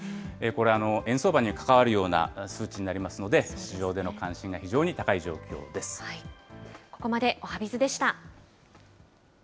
これ、円相場に関わるような数値になりますので、市場での関心がここまで、おはＢｉｚでした。